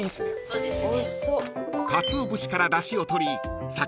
そうですね。